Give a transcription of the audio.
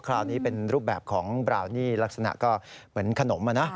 คราวนี้เป็นรูปแบบของบราวนี่ลักษณะก็เหมือนขนมอ่ะนะ